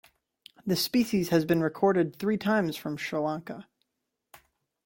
The species has been recorded three times from Sri Lanka.